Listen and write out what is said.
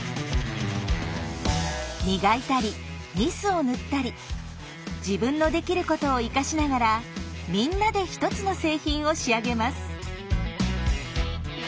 磨いたりニスを塗ったり自分のできることを生かしながらみんなで１つの製品を仕上げます。